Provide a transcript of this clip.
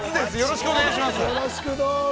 初です、よろしくお願いします。